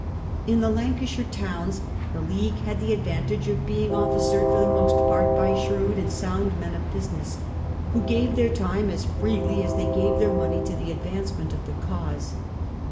In the Lancashire towns the League had the advantage of being officered for the most part by shrewd and sound men of business, who gave their time as freely as they gave their money to the ad vancement of the cause.